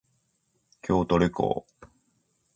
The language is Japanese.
京都旅行